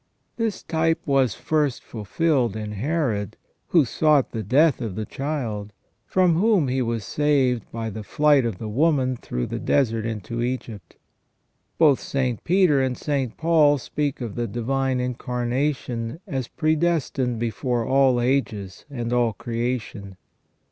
This type was first fulfilled in Herod, who sought the death of the Child, from whom he was saved by the flight of the woman through the desert into Egypt. Both St. Peter and St. Paul speak of the Divine Incarnation as pre destined before all ages and all creation.